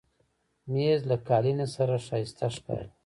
مېز له قالینې سره ښایسته ښکاري.